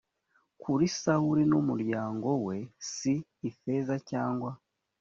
kuri sawuli n umuryango we si ifeza cyangwa